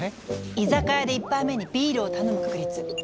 居酒屋で１杯目にビールを頼む確率１００％。